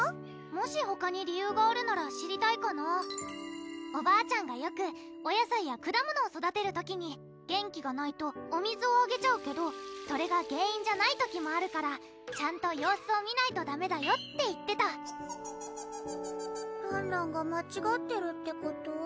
もしほかに理由があるなら知りたいかなおばあちゃんがよくお野菜や果物を育てる時に元気がないとお水をあげちゃうけどそれが原因じゃない時もあるからちゃんと様子を見ないとダメだよって言ってたらんらんが間違ってるってこと？